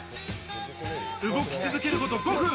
動き続けること５分。